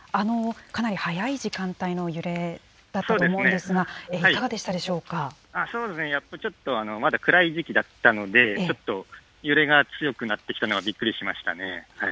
かなり早い時間帯の揺れだったと思うんですが、いかがでしたそうですね、やっぱりちょっとまだ暗い時期だったので、ちょっと揺れが強くなってきたのはびっくりしましたね。